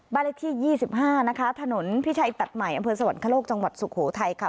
เลขที่๒๕นะคะถนนพิชัยตัดใหม่อำเภอสวรรคโลกจังหวัดสุโขทัยค่ะ